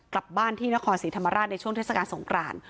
กลับบ้านที่นครศรีธรรมราชในช่วงเทศกาลสงคราน